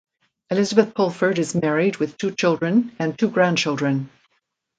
Elizabeth Pulford is married with two children and two grandchildren.